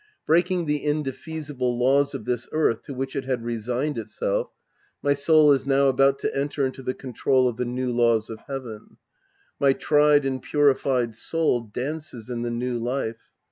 Breaking the indefeasible laws of this earth to which it had resigned itself, my soul is now about to enter into the control of the new laws of heaven. My tried and purified soul dances in the new life.